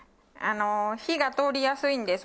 火が通りやすいんです